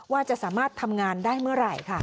ว่าจะสามารถทำงานได้เมื่อไหร่ค่ะ